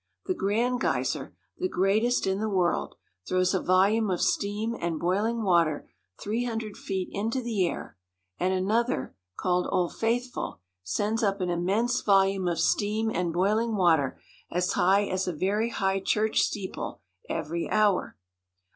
The Grand Geyser, the greatest in the world, throws a volume of steam and boiling water three hundred feet into the air; and another, called Old Faithful, sends up an immense volume of steam and boil ing water as high as a very high church steeple every hour.